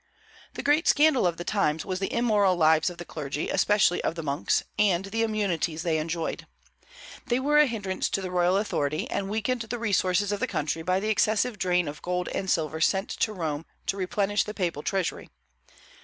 The great scandal of the times was the immoral lives of the clergy, especially of the monks, and the immunities they enjoyed. They were a hindrance to the royal authority, and weakened the resources of the country by the excessive drain of gold and silver sent to Rome to replenish the papal treasury.